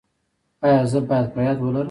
ایا زه باید په یاد ولرم؟